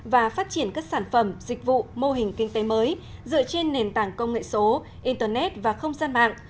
và phát triển các sản phẩm dịch vụ mô hình kinh tế mới dựa trên nền tảng công nghệ số internet và không gian mạng